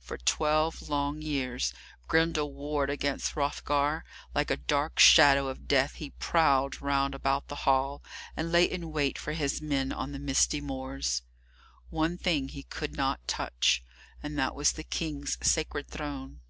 For twelve long years Grendel warred against Hrothgar; like a dark shadow of death he prowled round about the hall, and lay in wait for his men on the misty moors. One thing he could not touch, and that was the King's sacred throne.